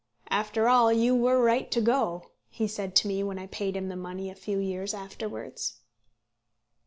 "After all you were right to go," he said to me when I paid him the money a few years afterwards.